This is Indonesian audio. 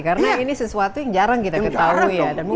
karena ini sesuatu yang jarang kita ketahui